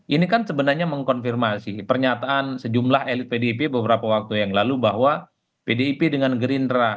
ini kan sebenarnya mengkonfirmasi pernyataan sejumlah elit pdip beberapa waktu yang lalu bahwa pdip dengan gerindra